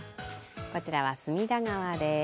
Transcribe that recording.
こちらは隅田川です。